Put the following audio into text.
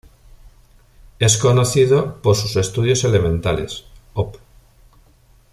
Es conocido por sus "Estudios Elementales", Op.